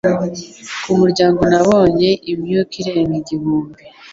Ku muryango nabonye imyuka irenga igihumbi